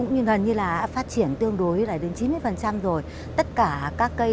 năm hai nghìn hai mươi hai thì là năm vạn năm hai nghìn hai mươi ba là sáu vạn cây